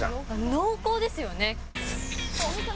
濃厚ですよね。